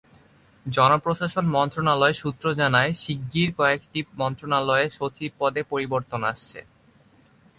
জনপ্রশাসন মন্ত্রণালয় সূত্র জানায়, শিগগির কয়েকটি মন্ত্রণালয়ে সচিব পদে পরিবর্তন আসছে।